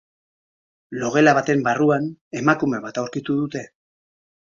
Logela baten barruan emakume bat aurkitu dute.